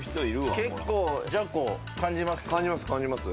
結構、ジャコ感じる。